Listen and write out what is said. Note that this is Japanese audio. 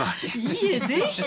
いいえぜひ！